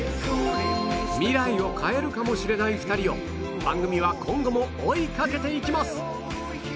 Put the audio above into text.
未来を変えるかも知れない２人を番組は今後も追いかけていきます